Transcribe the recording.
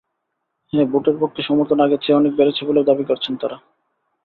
হ্যাঁ ভোটের পক্ষে সমর্থন আগের চেয়ে অনেক বেড়েছে বলেও দাবি করছেন তাঁরা।